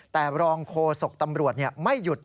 แต่รองโฆษกตำรวจไม่หยุด